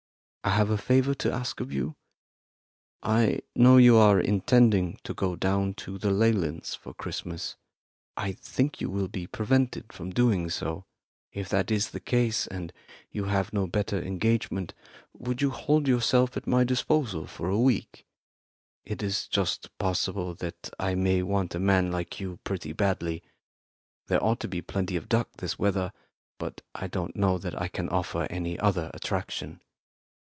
"I have a favour to ask of you. I know you are intending to go down to the Leylands' for Christmas. I think you will be prevented from doing so. If that is the case, and you have no better engagement, would you hold yourself at my disposal for a week? It is just possible that I may want a man like you pretty badly. There ought to be plenty of duck this weather, but I don't know that I can offer any other attraction.